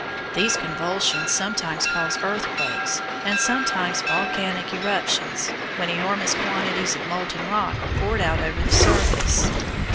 These convulsions sometimes cause earthquakes and sometimes volcanic eruptions, when enormous quantities of molten rock are poured out over the surface.